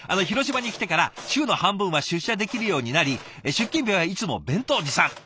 広島に来てから週の半分は出社できるようになり出勤日はいつも弁当持参。